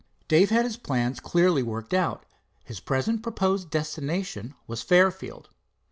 Dave had his plans clearly worked out. His present proposed destination was Fairfield.